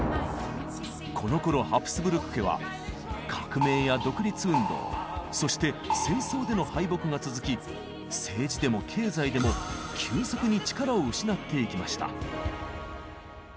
このころハプスブルク家は革命や独立運動そして戦争での敗北が続き政治でも経済でも急速に力を失っていきました。